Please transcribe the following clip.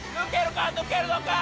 抜けるのか？